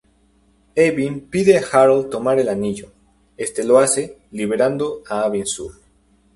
Abin pide a Harold tomar el anillo, este lo hace, liberando a Abin Sur.